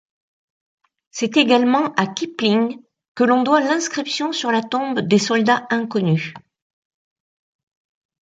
C'est également à Kipling que l'on doit l'inscription sur la tombe des soldats inconnus.